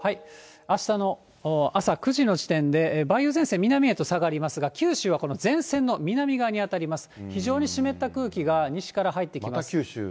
あしたの朝９時の時点で、梅雨前線、南へと下がりますが、九州はこの前線の南側に当たります、非常に湿った空気が西から入ってきます。